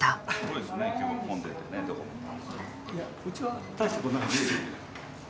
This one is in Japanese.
いやうちは大したことないです。